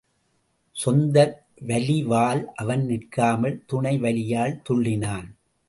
சொந்த வலிவால் அவன் நிற்காமல் துணை வலியால் துள்ளினான்.